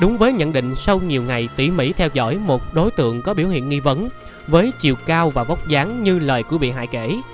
đúng với nhận định sau nhiều ngày tỉ mỉ theo dõi một đối tượng có biểu hiện nghi vấn với chiều cao và bóc dáng như lời của bị hại kể